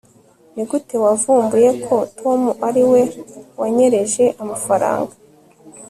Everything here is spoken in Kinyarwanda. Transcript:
nigute wavumbuye ko tom ariwe wanyereje amafaranga